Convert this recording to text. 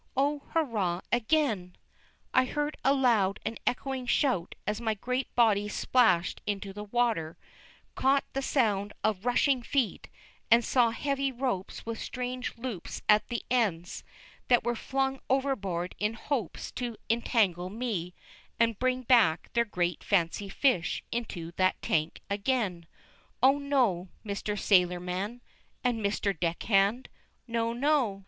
Oh, hurrah again! I heard a loud and echoing shout as my great body splashed into the water, caught the sound of rushing feet, and saw heavy ropes with strange loops at the ends, that were flung overboard in hopes to entangle me, and bring back their great fancy fish into that tank again. Oh, no, Mister Sailorman, and Mister Deckhand. No, no!